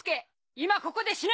今ここで死ね！